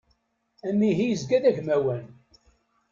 Amihi yezga d agmawan.